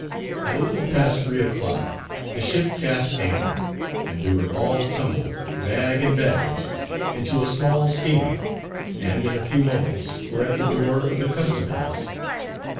At a little past three o'clock, the ship cast anchor, and we were all tumbled, bag and baggage, into a small steamer, and in a few moments were at the door of the Custom House.